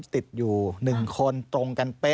ติดอยู่หนึ่งคนตรงกันเป๊ะ